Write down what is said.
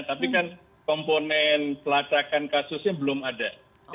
tapi kan komponen pelacakan kasusnya belum ada